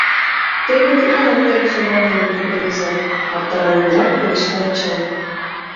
— Теве тидланак тыйым сӧрвалынем, Епрем изай, — аптыраненрак пелешта Эчан.